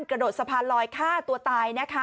กระโดดสะพาลลอยฆ่าตัวตาย